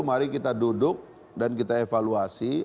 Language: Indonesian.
mari kita duduk dan kita evaluasi